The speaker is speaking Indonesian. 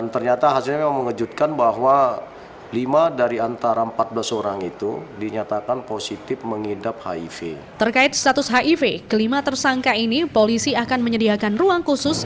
terkait status hiv kelima tersangka ini polisi akan menyediakan ruang khusus